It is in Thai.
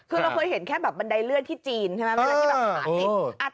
คือเราเคยเห็นแค่แบบบันไดเลื่อนที่จีนใช่ไหมเวลาที่แบบหาติด